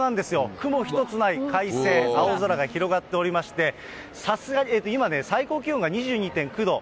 雲一つない快晴、青空が広がっておりまして、さすがに、今、最高気温が２２．９度。